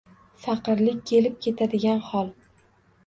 Faqirlik kelib-ketadigan hol.